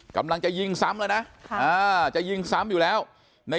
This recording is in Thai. กำลังจะยิงซ้ำแล้วนะจะยิงซ้ำอยู่แล้ว